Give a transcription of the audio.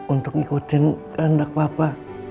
untuk ikutin rendak papa